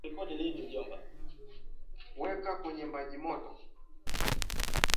Weka kwenye maji ya moto